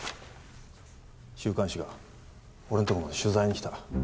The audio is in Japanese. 週刊誌が俺んとこまで取材に来た。